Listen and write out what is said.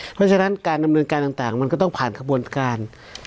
เพราะฉะนั้นการดำเนินการต่างมันก็ต้องผ่านขบวนการ